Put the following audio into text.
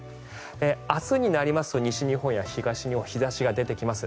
明日になりますと西日本や東日本は日差しが出てきます。